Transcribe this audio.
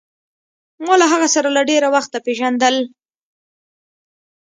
ما له هغه سره له ډېره وخته پېژندل.